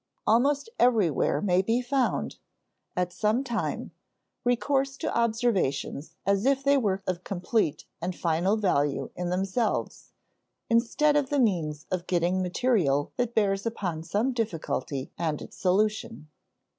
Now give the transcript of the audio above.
Almost everywhere may be found, at some time, recourse to observations as if they were of complete and final value in themselves, instead of the means of getting material that bears upon some difficulty and its solution.